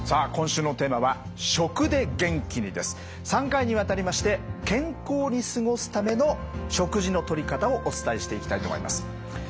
３回にわたりまして健康に過ごすための食事のとり方をお伝えしていきたいと思います。